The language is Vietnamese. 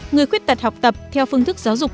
người khuyết tật học tập theo phương thức giáo dục